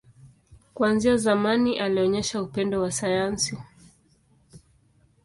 Kuanzia zamani, alionyesha upendo wa sayansi.